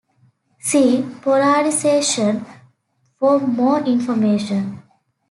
See polarization for more information.